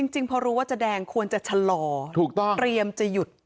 จริงพอรู้ว่าจะแดงควรจะฉลอเตรียมจะหยุด